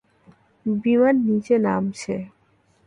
বিমান নিচে নামছে।